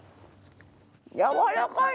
やわらかい。